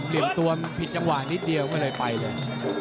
มีตัวผิดจังหวานนิดเดียวก็เลยไปเลย